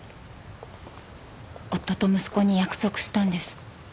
夫と息子に約束したんです。